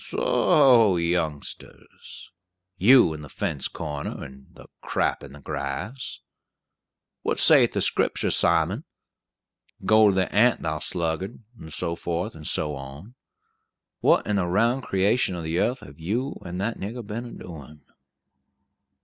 "Soho, youngsters! you in the fence corner, and the crap in the grass. What saith the Scriptur', Simon? 'Go to the ant, thou sluggard,' and so forth and so on. What in the round creation of the yearth have you and that nigger been a doin'?"